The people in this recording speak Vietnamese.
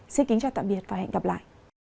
xin kính chào tạm biệt và hẹn gặp lại